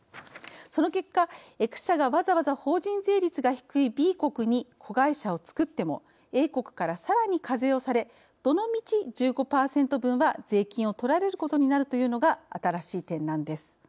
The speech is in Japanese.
その結果Ｘ社がわざわざ法人税率が低いＢ国に子会社を作ってもＡ国からさらに課税をされどのみち１５％分は税金を取られることになるというのが新しい点なんです。